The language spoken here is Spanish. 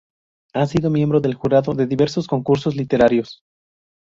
Ha sido miembro del jurado de diversos concursos literarios.